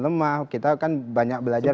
lemah kita kan banyak belajar